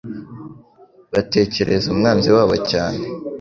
Batekereza umwanzi wabo cyane,